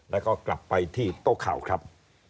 แล้วก็กลับไปที่โต๊ะข่าวครับ